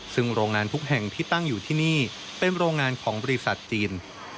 ซึ่งโรงงานทุกแห่งที่ตั้งอยู่ที่นี่เป็นโรงงานของบริษัทจีน